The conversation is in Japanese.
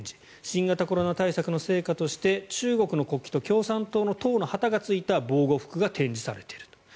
新型コロナ対策の成果として中国の国旗と共産党の党の旗がついた防具服が展示されている。